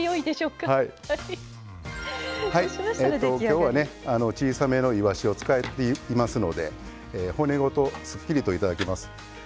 今日はね小さめのいわしを使っていますので骨ごとすっきりと頂きます。